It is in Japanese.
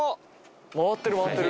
回ってる回ってる。